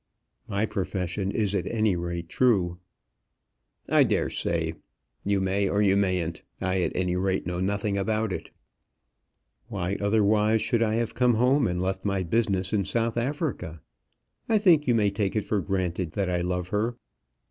"My profession is at any rate true." "I daresay. You may or you mayn't; I at any rate know nothing about it." "Why otherwise should I have come home and left my business in South Africa? I think you may take it for granted that I love her."